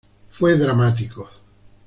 Fue dramático".